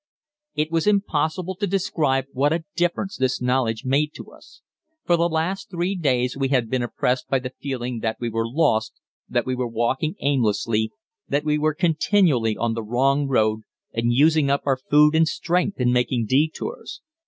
It is impossible to describe what a difference this knowledge made to us. For the last three days we had been oppressed by the feeling that we were lost, that we were walking aimlessly, that we were continually on the wrong road and using up our food and strength in making detours.